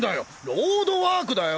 ロードワークだよ！